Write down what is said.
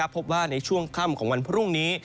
พบว่าในช่วงค่ำของวันพรุ่งนี้